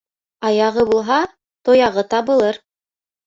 Аяғы булһа, тояғы табылыр.